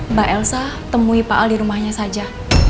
mbak elsa temui pak al di rumahnya saja